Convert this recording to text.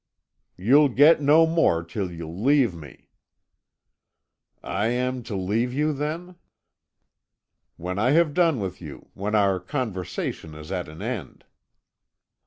"You'll get no more till you leave me." "I am to leave you, then?" "When I have done with you when our conversation is at an end."